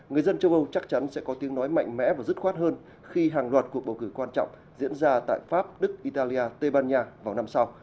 người dân châu âu chắc chắn sẽ có tiếng nói mạnh mẽ và dứt khoát hơn khi hàng loạt cuộc bầu cử quan trọng diễn ra tại pháp đức italia tây ban nha vào năm sau